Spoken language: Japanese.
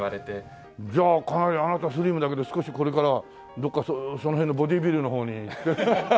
じゃあかなりあなたスリムだけど少しこれからどこかその辺のボディビルの方に。